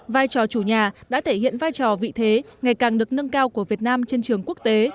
vai trò chủ nhà đã thể hiện vai trò vị thế ngày càng được nâng cao của việt nam trên trường quốc tế